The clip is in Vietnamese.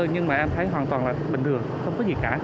nhưng mà em thấy hoàn toàn là bình thường không có gì cả